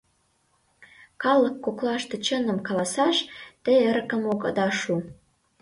Калык коклаште чыным каласаш те эрыкым огыда шу.